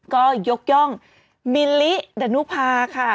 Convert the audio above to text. ก็ยกย่องมิลลิดานุภาค่ะ